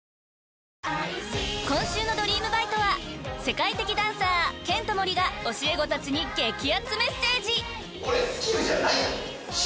［今週の『ドリームバイト！』は世界的ダンサーケント・モリが教え子たちに激アツメッセージ！］